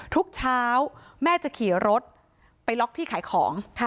ทุกเช้าแม่จะขี่รถไปล็อกที่ขายของ